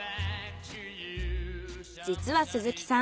実は鈴木さん。